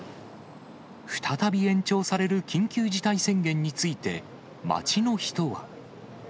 再び延長される緊急事態宣言について、街の人は。